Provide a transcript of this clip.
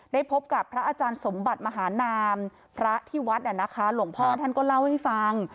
พบกับพระอาจารย์สมบัติมหานามพระที่วัดหลวงพ่อท่านก็เล่าให้ฟัง